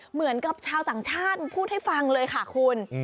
เหมือนกับชาวต่างชาติพูดให้ฟังเลยค่ะคุณ